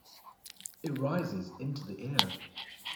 It rises into the air.